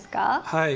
はい。